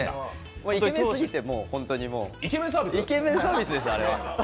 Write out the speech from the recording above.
イケメンすぎて、あれはイケメンサービスですよ。